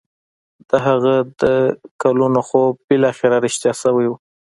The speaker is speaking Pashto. د هغه د کلونو خوب بالاخره رښتيا شوی و.